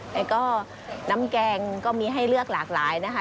แล้วก็น้ำแกงก็มีให้เลือกหลากหลายนะคะ